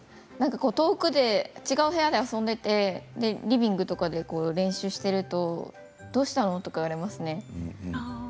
違う部屋で遊んでいてリビングとかで練習しているとどうしたの？とか言われますね。